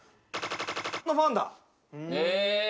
○○のファンだ。